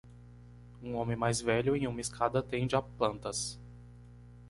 Um homem mais velho em uma escada tende a plantas